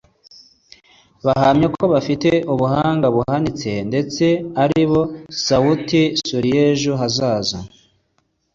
bahamya ko bafite ubuhanga buhanitse ndetse aribo Sauti Sol y'ejo hazaza